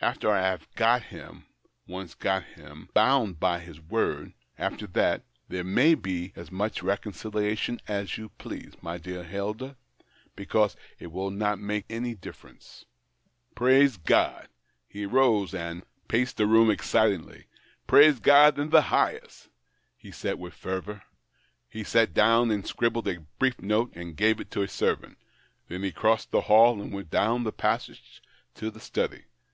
After I have got him — once got him — bound him by his word — after that, there may be as much reconciliation as you please, my dear Hilda, because it will not make any difference. Praise God !" He rose and THE OCTAVE OF CLAUDIUS. 83 paced the room excitedl}'. " Praise God in the highest !" he said with fervour. He sat down and scribbled a brief note, and gave it to a servant. Then he crossed the hall, and went down the passage to the study.